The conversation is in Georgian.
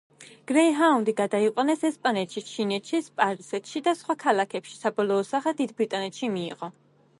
გრეიჰაუნდი გადაიყვანეს ესპანეთში, ჩინეთში, სპარსეთში, და სხვა ქვეყნებში, საბოლოო სახე დიდ ბრიტანეთში მიიღო.